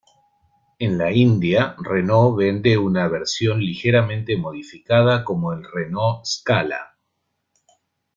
En la India, Renault vende una versión ligeramente modificada como el Renault Scala.